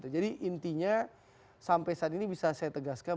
jadi intinya sampai saat ini bisa saya tegaskan